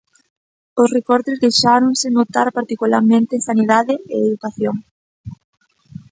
Os recortes deixáronse notar particularmente en Sanidade e Educación.